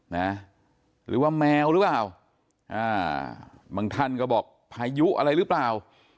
หรือว่าแมวหรือเปล่าอ่าบางท่านก็บอกพายุอะไรหรือเปล่า